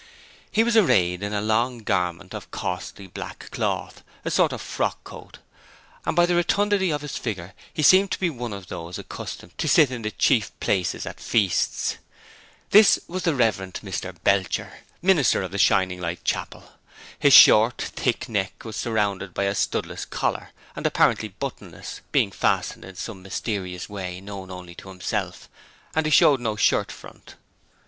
He was arrayed in a long garment of costly black cloth, a sort of frock coat, and by the rotundity of his figure he seemed to be one of those accustomed to sit in the chief places at feasts. This was the Rev. Mr Belcher, minister of the Shining Light Chapel. His short, thick neck was surrounded by a studless collar, and apparently buttonless, being fastened in some mysterious way known only to himself, and he showed no shirt front.